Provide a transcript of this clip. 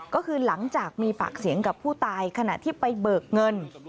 ก็คือหลังจากมีปากเสียงกับผู้ตายขณะที่ไปเบิกเงิน